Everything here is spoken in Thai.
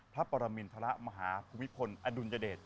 ภรรมินฐะระมหาคุมิสภนอะดูลเยอเดช